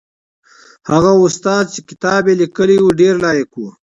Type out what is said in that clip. هغه استاد چې کتاب یې لیکلی و ډېر لایق و.